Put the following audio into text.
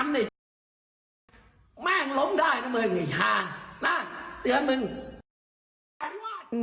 แม่งล้มได้กับมึงไอ้ชาญน่ะเตือนมึง